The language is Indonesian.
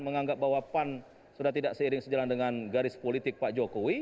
menganggap bahwa pan sudah tidak seiring sejalan dengan garis politik pak jokowi